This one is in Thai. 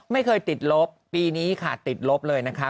ไม่เคยติดลบปีนี้ค่ะติดลบเลยนะคะ